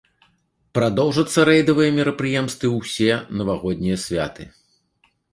Прадоўжацца рэйдавыя мерапрыемствы ўсе навагоднія святы.